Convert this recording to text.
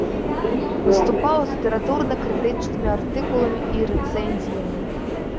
Выступаў з літаратурна-крытычнымі артыкуламі і рэцэнзіямі.